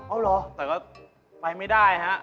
อ๋อเหรองั้นก็ไปไม่ได้ฮะ